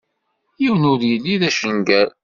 Yiwen ur yelli d acangal.